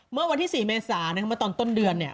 เมื่อวันที่๔เมษามาตอนต้นเดือนเนี่ย